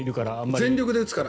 全力で打つから。